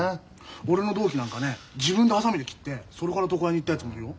俺の同期なんかね自分でハサミで切ってそれから床屋に行ったやつもいるよ。